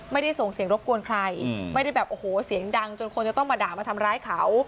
ไม่ได้ส่งเสียงรบกวนใครไม่ได้แบบโอ้โหเสียงดังจนคนจะต้องมาด่ามาทำร้ายเขา